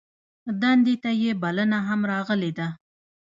دندې ته یې بلنه هم راغلې ده.